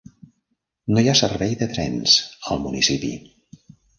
No hi ha servei de trens al municipi.